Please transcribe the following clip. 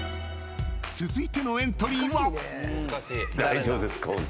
［続いてのエントリーは？］